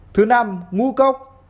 thứ năm ngu cốc